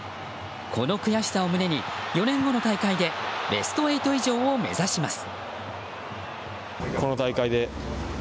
この悔しさを胸に４年後の大会でベスト８以上を目指します。